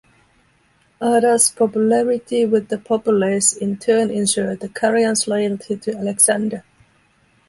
Ada's popularity with the populace in turn ensured the Carians' loyalty to Alexander.